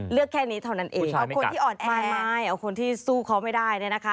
เลือกแค่นี้เท่านั้นเองเอาคนที่อ่อนแอเอาคนที่สู้เค้าไม่ได้